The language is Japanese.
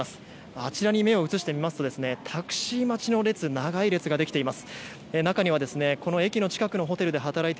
あちらに目を移してみますとタクシー待ちの列長い列ができています。